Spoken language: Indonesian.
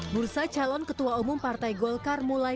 pada tanggal tujuh juli